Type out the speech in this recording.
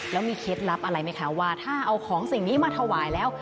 แล้วมีเคล็ดลับอะไรไหมคะว่าถ้าเอาของสิ่งนี้มาถวายแล้ว